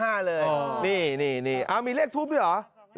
นี่มีเลขทุบด้วยเหรอ